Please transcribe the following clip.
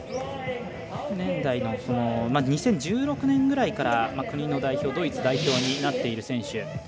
２０１６年ぐらいからドイツ代表になっている選手。